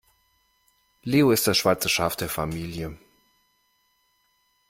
Leo ist das schwarze Schaf der Familie.